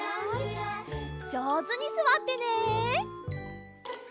じょうずにすわってね！